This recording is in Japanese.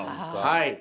はい。